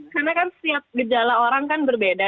karena kan setiap gejala orang kan berbeda